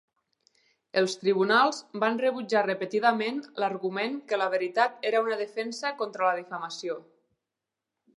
Els tribunals van rebutjar repetidament l'argument que la veritat era una defensa contra la difamació.